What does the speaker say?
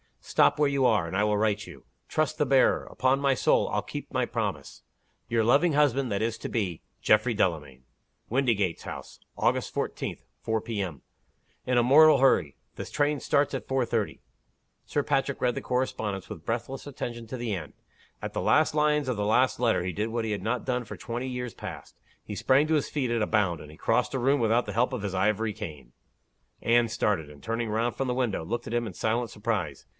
Stop where you are, and I will write you. Trust the bearer. Upon my soul, I'll keep my promise. Your loving husband that is to be, "GEOFFREY DELAMAYN. "WINDYGATES HOUSE Augt. 14, 4 P. M. "In a mortal hurry. The train starts 4.30." Sir Patrick read the correspondence with breathless attention to the end. At the last lines of the last letter he did what he had not done for twenty years past he sprang to his feet at a bound, and he crossed a room without the help of his ivory cane. Anne started; and turning round from the window, looked at him in silent surprise.